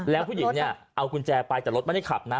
แล้วผู้หญิงเนี่ยเอากุญแจไปแต่รถไม่ได้ขับนะ